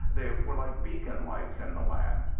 They were like bea^oon lights in the land.